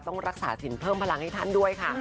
ต้องรักษาสินเพิ่มพลังให้ท่านด้วยค่ะ